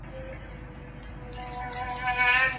فولکلور زموږ ږغ دی.